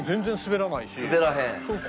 滑らへん。